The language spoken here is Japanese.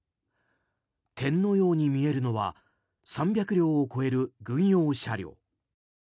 点のように見えるのは３００両を超える軍用車両。